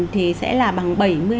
thì sẽ là bằng bảy mươi năm